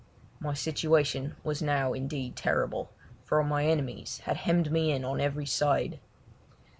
My situation was now indeed terrible, for my enemies had hemmed me in on every side.